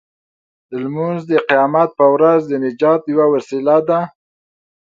لمونځ د قیامت په ورځ د نجات یوه وسیله ده.